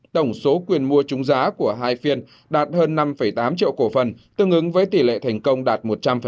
tổng số quyền mua chúng giá của hai phiên đạt hơn năm tám triệu cổ phần tương ứng với tỷ lệ thành công đạt một trăm linh